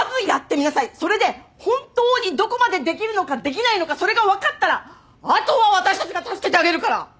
それで本当にどこまでできるのかできないのかそれが分かったらあとは私たちが助けてあげるから！